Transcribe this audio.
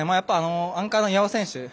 アンカーの岩尾選手